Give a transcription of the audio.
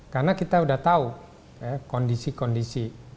karena kita udah tahu kondisi kondisi